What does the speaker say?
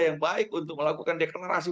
yang baik untuk melakukan deklarasi